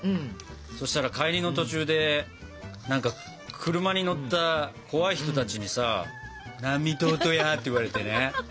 そしたら帰りの途中で車に乗った怖い人たちにさ「なん見とーとや？」って言われてね。